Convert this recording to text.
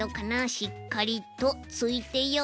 しっかりとついてよ